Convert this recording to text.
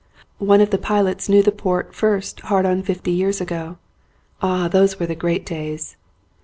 One of the pilots knew the port first hard on fifty years ago. Ah, those were the great days.